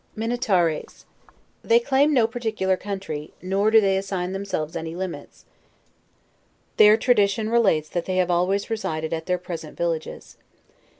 MINETARES. They claim no particular country, nor do they assign themselves any limits: their tradition relates that they have always resided at their present villages.